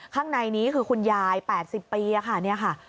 ข้างในนี้คือคุณยาย๘๐ปีค่ะ